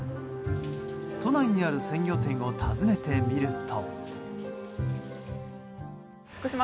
都内にある鮮魚店を訪ねてみると。